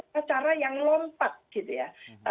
acara yang lompat gitu ya